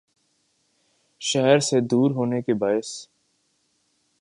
شہر سے دور ہونے کے باعث